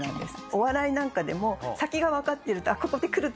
お笑いなんかでも先が分かっているとここで来る！